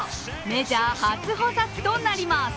メジャー初捕殺となります。